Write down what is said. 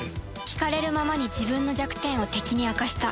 聞かれるままに自分の弱点を敵に明かした